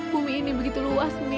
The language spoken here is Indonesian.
bumi ini begitu luas nih